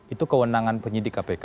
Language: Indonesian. itu kewenangan penyidik kpk